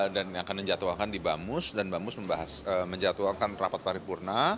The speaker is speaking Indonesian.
dan yang akan menjatuhkan di bamus dan bamus menjatuhkan rapat paripurna